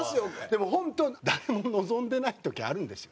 でも本当誰も望んでない時あるんですよ